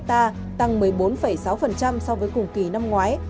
tăng một mươi bốn sáu so với cùng kỳ năm ngoái